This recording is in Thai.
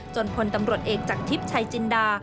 จนคนตำรวจเอกจากทิศชายจินดา